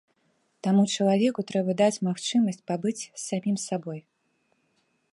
Таму чалавеку трэба даць магчымасць пабыць з самім сабой.